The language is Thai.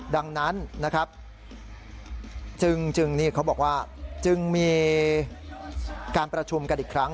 ดังนั้นจึงมีการประชุมกันอีกครั้ง